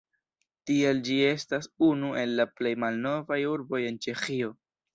Tial ĝi estas unu el la plej malnovaj urboj en Ĉeĥio.